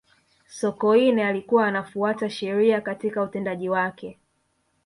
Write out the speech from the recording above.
sokoine alikuwa anafuata sheria katika utendaji wake